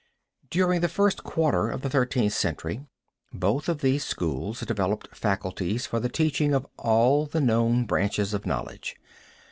During the first quarter of the Thirteenth Century both of these schools developed faculties for the teaching of all the known branches of knowledge.